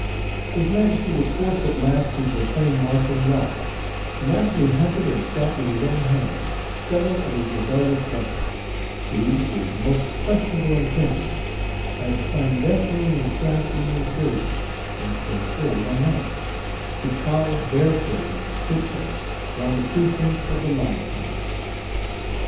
His Majesty was forced at last to proclaim martial law, and actually hunted and shot with his own hand several of his rebellious subjects, who, with most questionable intentions, had clandestinely encamped in the interior, whence they stole by night, to prowl barefooted on tiptoe round the precincts of the lava palace.